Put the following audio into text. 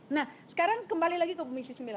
nah sekarang kembali lagi ke komisi sembilan